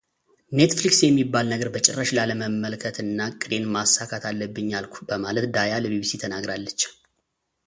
ኔትፍሊክስ የሚባል ነገር በጭራሽ ላለመልከት እና ዕቅዴን ማሳካት አለብኝ አልኩ በማለት ዳያ ለቢቢሲ ተናግራለች።